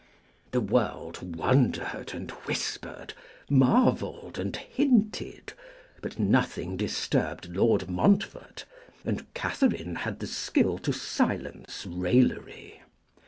The world wondered and whispered, marvelled and hinted, but nothing disturbed Lord Montfort, and Katherine had the skill to silence raillery.